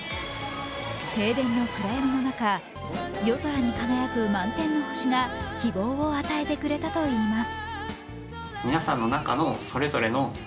停電の暗闇の中、夜空に輝く満天の星が希望を与えてくれたといいます。